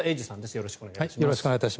よろしくお願いします。